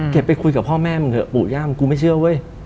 ไปคุยกับพ่อแม่มึงเถอะปู่ย่ามึงกูไม่เชื่อเว้ย